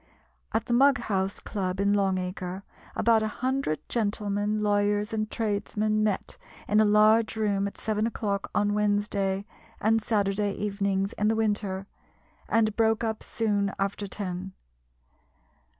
At the Mughouse Club in Long Acre, about a hundred gentlemen, lawyers, and tradesmen met in a large room, at seven o'clock on Wednesday and Saturday evenings in the winter, and broke up soon after ten.